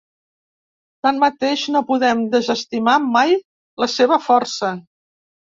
Tanmateix, no podem desestimar mai la seva força.